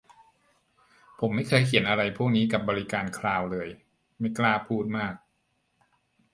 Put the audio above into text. ผมไม่เคยเขียนอะไรพวกนี้กับบริการคลาวด์เลย ไม่กล้าพูดมาก